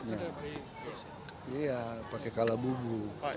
iya pakai kalabubu